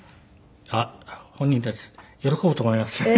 あっ本人たち喜ぶと思います。